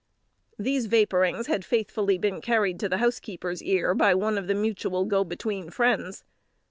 These vapourings had faithfully been carried to the housekeeper's ear by one of the mutual go between friends.